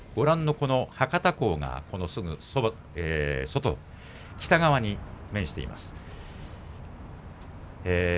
博多港がすぐ外、北側に面しています。